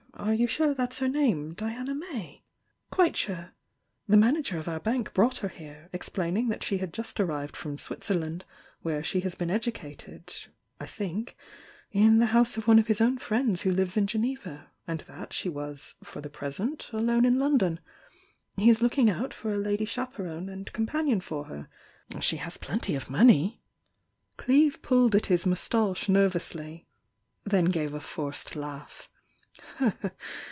Are you sure that's her name?— Diana May?" "Quite sure! The manager of our bank brought her here, explaining that she had just arrived from Switzerland, where she has been educated — I think —in the house of one of his own friends who lives in Geneva— and that she was for the present alone in London. He is looking out for a lady chaperone and companion for her, — she has plenty of money." Cleeve pulled at his moustache nervously— then gave a forced laugh.